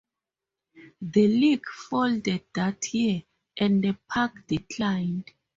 The league folded that year, and the park declined.